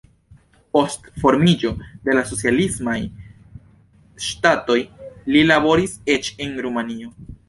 Post formiĝo de la socialismaj ŝtatoj li laboris eĉ en Rumanio.